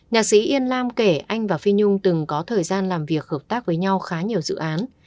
nhạc sĩ yên lam kể anh và phi nhung từng có thời gian làm việc hợp tác với nhau khá nhiều dự án